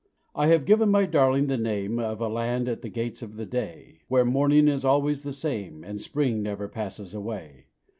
I have given my darling the name Of a land at the gates of the day, Where morning is always the same, And spring never passes away.